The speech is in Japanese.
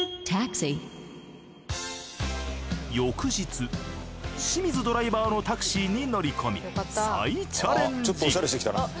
翌日清水ドライバーのタクシーに乗り込み再チャレンジ！